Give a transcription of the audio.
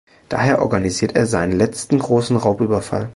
Daher organisiert er seinen letzten großen Raubüberfall.